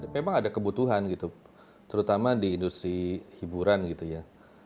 memang ada kebutuhan gitu terutama di industri hiburan gitu ya